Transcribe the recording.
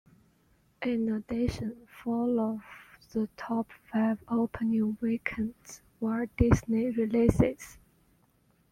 In addition, four of the top-five opening weekends were Disney releases.